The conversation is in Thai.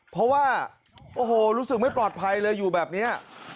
เพราะว่าโอ้โหรู้สึกไม่ปลอดภัยเลยอยู่แบบนี้